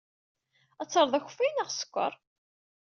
Ad terreḍ akeffay neɣ sskeṛ?